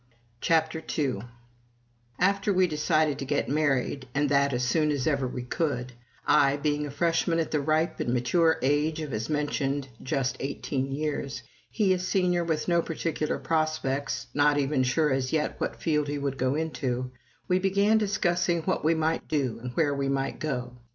CHAPTER II After we decided to get married, and that as soon as ever we could, I being a Freshman at the ripe and mature age of, as mentioned, just eighteen years, he a Senior, with no particular prospects, not even sure as yet what field he would go into, we began discussing what we might do and where we might go.